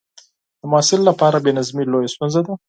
د محصل لپاره بې نظمي لویه ستونزه ده.